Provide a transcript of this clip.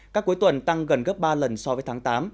các cuối tuần tăng gần gấp ba lần so với tháng tám